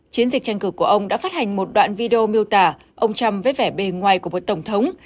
chiến dịch tranh cử của ông đã phát hành một đoạn video miêu tả ông trump với vẻ bề ngoài của một tổng thống